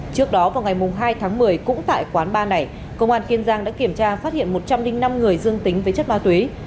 trước đó vào ngày hai tháng một mươi cũng tại quán bar này công an kiên giang đã kiểm tra phát hiện một trăm linh năm người dương tính với chất ma túy